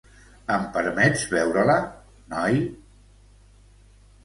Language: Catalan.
Em permets veure-la, noi?